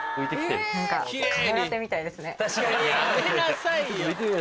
やめなさいよ。